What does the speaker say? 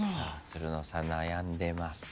つるのさん悩んでます。